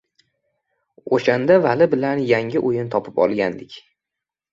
O‘shanda Vali bilan yangi o‘yin topib olgandik.